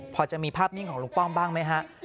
พอจะมีภาพนิ่งของลุงป้อมบ้างไหมฮะ